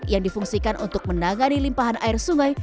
yang difungsikan untuk menangani limpahan air sungai